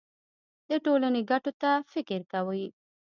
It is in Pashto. د ټولنې ګټو ته فکر کوي.